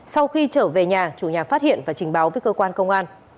sau khi trở về nhà chủ nhà phát hiện và trình báo với cơ quan công an